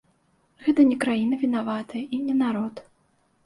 Гэта не краіна вінаватая, і не народ.